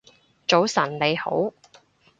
早晨你好